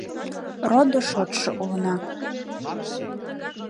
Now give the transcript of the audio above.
Родо-шочшо улына